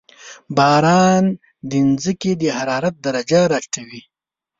• باران د زمکې د حرارت درجه راټیټوي.